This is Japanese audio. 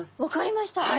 分かりました。